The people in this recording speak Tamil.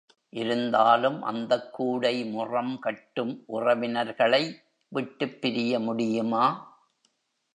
இருந்தாலும் அந்தக் கூடைமுறம் கட்டும் உறவினர்களை விட்டுப் பிரிய முடியுமா?